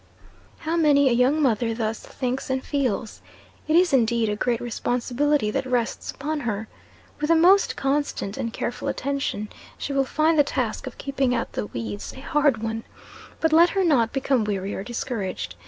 How many a young mother thus thinks and feels. It is indeed a great responsibility that rests upon her. With the most constant and careful attention, she will find the task of keeping out the weeds a hard one; but let her not become weary or discouraged.